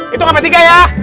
hitung sampai tiga ya